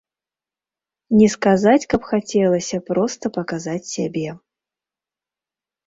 Не сказаць, каб хацелася проста паказаць сябе.